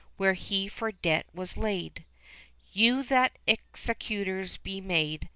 Where he for debt was laid. You that executors be made.